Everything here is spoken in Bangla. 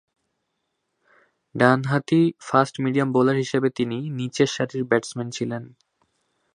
ডানহাতি ফাস্ট-মিডিয়াম বোলার হিসেবে তিনি নিচেরসারির ব্যাটসম্যান ছিলেন।